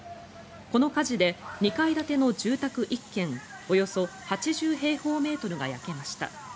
この火事で、２階建ての住宅１軒およそ８０平方メートルが焼けました。